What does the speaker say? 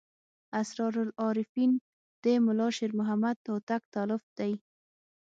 اسرار العارفین د ملا شیر محمد هوتک تألیف دی.